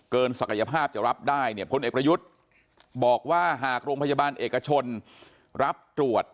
ศักยภาพจะรับได้เนี่ยพลเอกประยุทธ์บอกว่าหากโรงพยาบาลเอกชนรับตรวจ